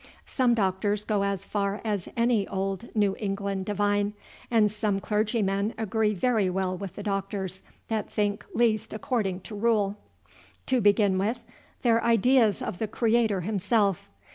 Some doctors go as far as any old New England divine, and some clergymen agree very well with the doctors that think least according to rule. "To begin with their ideas of the Creator himself.